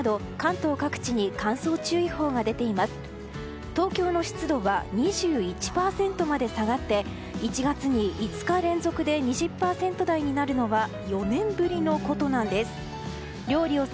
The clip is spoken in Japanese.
東京の湿度は２１％まで下がって１月に５日連続で２０％台になるのは４年ぶりのことなんです。